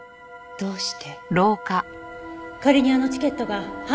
どうして？